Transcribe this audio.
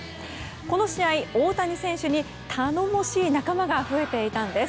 この試合、大谷選手に頼もしい仲間が増えていたんです。